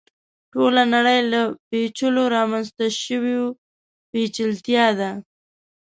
ټوله نړۍ له پېچلو رامنځته شوې پېچلتیا ده.